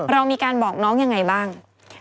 เรามีการบอกน้องยังไงบ้าง